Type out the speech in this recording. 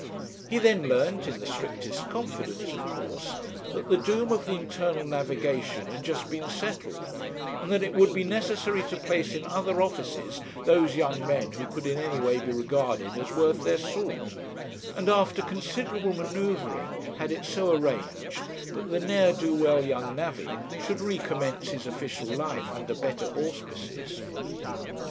He then learnt, in the strictest confidence of course, that the doom of the Internal Navigation had just been settled, and that it would be necessary to place in other offices those young men who could in any way be regarded as worth their salt, and, after considerable manoeuvring, had it so arranged that the ne'er do well young navvy should recommence his official life under better auspices.